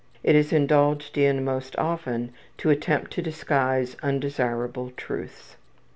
It is indulged in most often in an attempt to disguise undesirable truths.